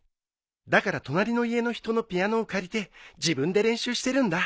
だから隣の家の人のピアノを借りて自分で練習してるんだ。